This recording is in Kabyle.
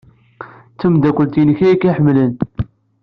Tameddakelt-nnek ay k-iḥemmlen.